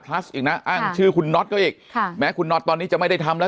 อีกนะอ้างชื่อคุณน็อตก็อีกค่ะแม้คุณน็อตตอนนี้จะไม่ได้ทำแล้ว